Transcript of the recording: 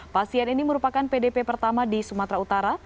pasien ini merupakan pdp pertama di sumatera utara